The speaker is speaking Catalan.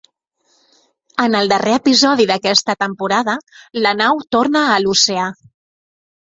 En el darrer episodi d'aquesta temporada, la nau torna a l'oceà.